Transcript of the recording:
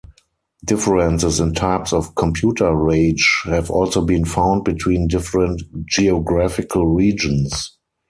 Differences in types of computer rage have also been found between different geographical regions.